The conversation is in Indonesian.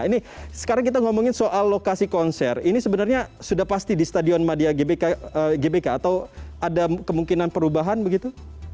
ini sekarang kita ngomongin soal lokasi konser ini sebenarnya sudah pasti di stadion madia gbk atau ada kemungkinan perubahan begitu